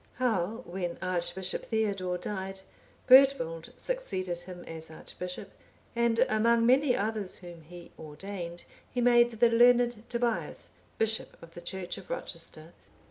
How, when Archbishop Theodore died, Bertwald succeeded him as archbishop, and, among many others whom he ordained, he made the learned Tobias bishop of the church of Rochester.